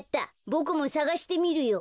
ボクもさがしてみるよ。